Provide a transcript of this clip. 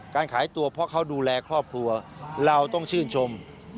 การขายตัวเพราะเขาดูแลครอบครัวเราต้องชื่นชม